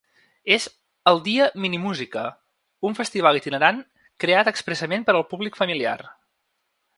És ‘El dia minimúsica’, un festival itinerant creat expressament per al públic familiar.